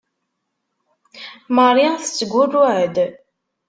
Marie tettgurruɛ-d.